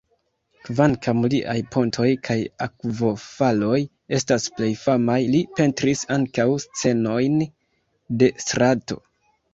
Kvankam liaj pontoj kaj akvofaloj estas plej famaj, li pentris ankaŭ scenojn de strato.